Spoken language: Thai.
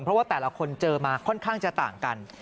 เพราะว่าแต่ละคนเจอมาค่อนข้างจะต่างกัน